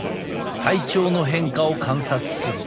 体調の変化を観察する。